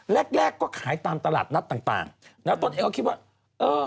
แรกก็ขายตามตลาดนัดต่างแล้วตัวเองก็คิดว่า